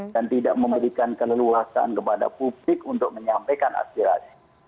dan tidak memberikan keleluasan kepada publik untuk menyampaikan aspirasi